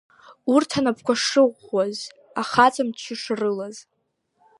Урҭ анапқәа шыӷәӷәаз, ахаҵа мчы шрылаз.